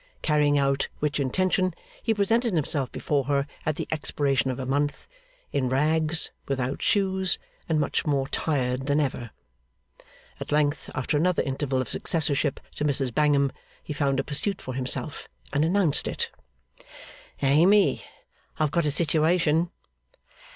Carrying out which intention, he presented himself before her at the expiration of a month, in rags, without shoes, and much more tired than ever. At length, after another interval of successorship to Mrs Bangham, he found a pursuit for himself, and announced it. 'Amy, I have got a situation.